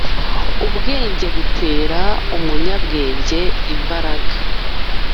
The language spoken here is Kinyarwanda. Ubwenge butera umunyabwenge imbaraga